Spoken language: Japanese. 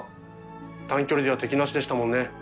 短距離では敵なしでしたもんね。